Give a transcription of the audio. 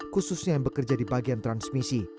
khususnya yang bekerja di bagian transmisi